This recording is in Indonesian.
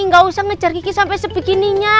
ga usah ngejar kiki sampe sebegininya